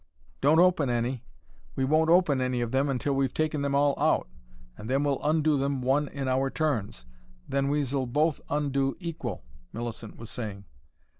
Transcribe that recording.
"Don't open any. We won't open any of them till we've taken them all out and then we'll undo one in our turns. Then we s'll both undo equal," Millicent was saying.